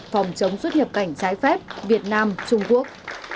phòng chống xuất nhập cảnh trái phép việt nam trung quốc